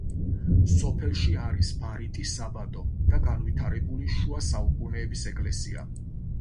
სოფელში არის ბარიტის საბადო და განვითარებული შუა საუკუნეების ეკლესია.